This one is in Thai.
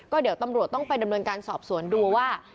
เดี๋ยวตำรวจต้องไปดำเนินการสอบสวนดูว่า